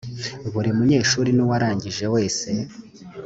buri munyeshuri n uwarangije wese